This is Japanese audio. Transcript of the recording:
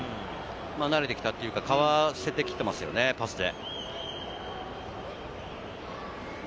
慣れてきたというか、かわせて来てますよね、パスで。